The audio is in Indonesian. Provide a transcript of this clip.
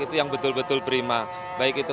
itu yang betul betul prima baik itu